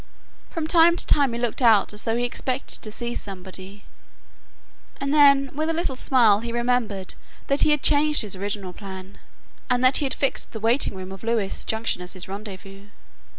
From time to time he looked out as though he expected to see somebody, and then with a little smile he remembered that he had changed his original plan, and that he had fixed the waiting room of Lewes junction as his rendezvous.